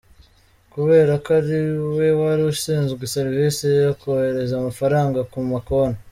Kubera ko ariwe wari ushinzwe serivisi yo kohereza amafaranga ku ma konti.